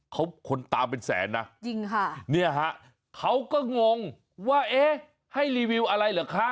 เขาคนตามเป็นแสนนะจริงค่ะเนี่ยฮะเขาก็งงว่าเอ๊ะให้รีวิวอะไรเหรอคะ